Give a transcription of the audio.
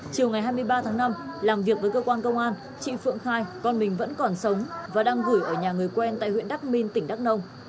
chiều ngày hai mươi ba tháng năm làm việc với cơ quan công an chị phượng khai con mình vẫn còn sống và đang gửi ở nhà người quen tại huyện đắk minh tỉnh đắk nông